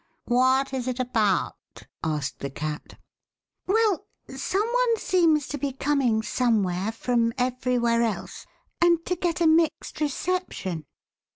What is it about ^" asked the Cat. Well, some one seems to be coming somewhere from everywhere else, and to get a mixed reception